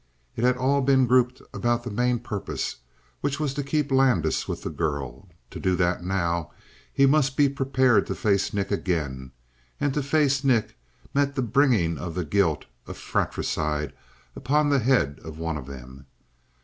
It had all been grouped about the main purpose, which was to keep Landis with the girl. To do that now he must be prepared to face Nick again; and to face Nick meant the bringing of the guilt of fratricide upon the head of one of them.